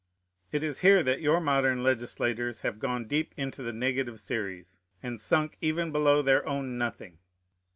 It is here that your modern legislators have gone deep into the negative series, and sunk even below their own nothing.